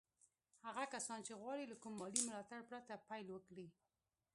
هغه کسان چې غواړي له کوم مالي ملاتړ پرته پيل وکړي.